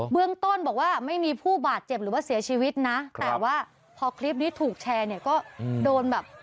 เรื่องต้นบอกว่าไม่มีผู้บาดเจ็บหรือว่าเสียชีวิตนะแต่ว่าพอคลิปนี้ถูกแชร์เนี่ยก็โดนแบบ